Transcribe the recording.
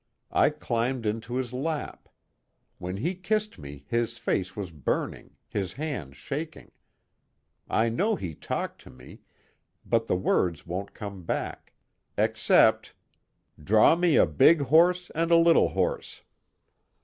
I climbed into his lap. When he kissed me his face was burning, his hands shaking. I know he talked to me, but the words won't come back. Except 'Draw me a big horse and a little horse.'